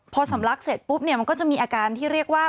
พอสำลักเสร็จปุ๊บเนี่ยมันก็จะมีอาการที่เรียกว่า